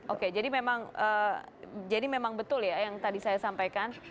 oke jadi memang betul ya yang tadi saya sampaikan